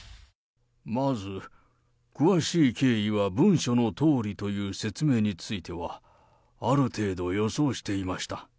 まず、詳しい経緯は文書のとおりという説明については、ある程度予想していました。